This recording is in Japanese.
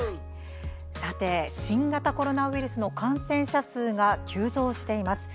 さて新型コロナウイルスの感染者数が急増しています。